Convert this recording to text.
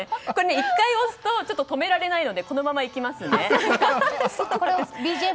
１回押すと、止められないのでこのままいきますね。